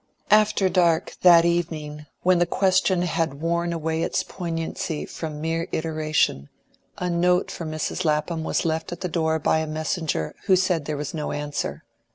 After dark, that evening, when the question had worn away its poignancy from mere iteration, a note for Mrs. Lapham was left at the door by a messenger who said there was no answer.